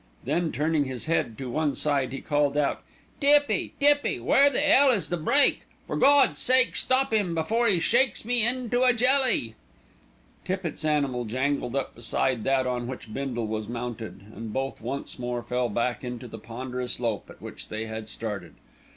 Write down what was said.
Then turning his head to one side he called out: "Tippy, Tippy, where the 'ell is the brake? For Gawd's sake stop 'im before 'e shakes me into a jelly!" Tippitt's animal jangled up beside that on which Bindle was mounted, and both once more fell back into the ponderous lope at which they had started.